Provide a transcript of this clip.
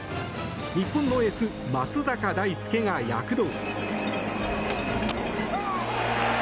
日本のエース、松坂大輔が躍動。